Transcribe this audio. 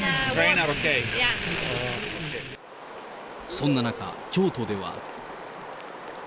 そんな中、京都では。